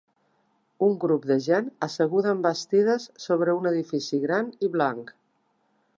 Un grup de gent asseguda en bastides sobre un edifici gran i blanc.